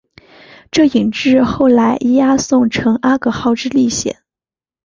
这引致后来伊阿宋乘阿格号之历险。